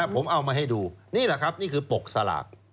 ผมเอามาให้ดูนี่แหละครับนี่คือปกสลาก